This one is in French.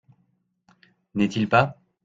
N’est-il pas ?